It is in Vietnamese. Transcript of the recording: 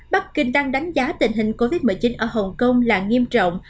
bắc kinh đang đánh giá tình hình covid một mươi chín ở hồng kông là nghiêm trọng